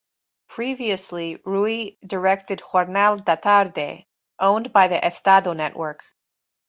Previously, Ruy directed Jornal da Tarde, owned by the Estado network.